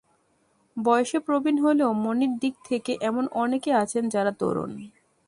বয়সে প্রবীণ হলেও মনের দিক থেকে এমন অনেকে আছেন যাঁরা তরুণ।